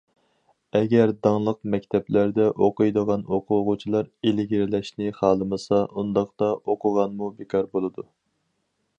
ئەگەر داڭلىق مەكتەپلەردە ئوقۇيدىغان ئوقۇغۇچىلار ئىلگىرىلەشنى خالىمىسا، ئۇنداقتا ئوقۇغانمۇ بىكار بولىدۇ.